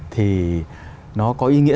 thì nó có ý nghĩa